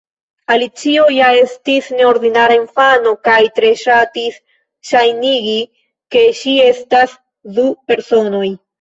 Alicio ja estis neordinara infano kaj tre ŝatis ŝajnigi ke ŝi estas du personoj.